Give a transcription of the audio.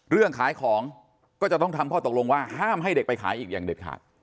เรื่องขายของก็จะต้องทำข้อตกลงว่าห้ามให้เด็กไปขายอีกอย่างเด็ดขาด